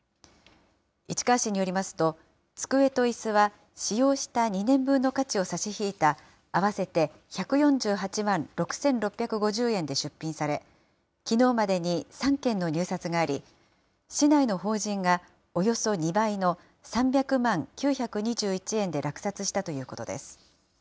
市川市によりますと、机といすは使用した２年分の価値を差し引いた、合わせて１４８万６６５０円で出品され、きのうまでに３件の入札があり、市内の法人がおよそ２倍の３００万９２１円で落札したということです。